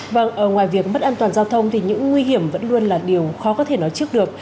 vâng ngoài việc mất an toàn giao thông thì những nguy hiểm vẫn luôn là điều khó có thể nói trước được